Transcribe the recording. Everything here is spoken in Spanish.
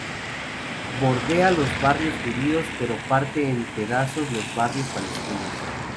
Bordea los barrios judíos pero parte en pedazos los barrios palestinos".